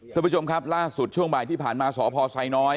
ทุกผู้ชมครับกล้ามสุดช่วงบ่ายที่ผ่านมาสอบพอไทยน้อย